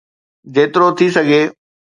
جيترو ٿي سگهي.